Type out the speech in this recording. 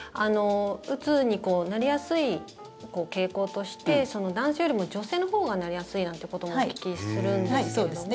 うつになりやすい傾向として男性よりも女性のほうがなりやすいなんてこともお聞きするんですけども。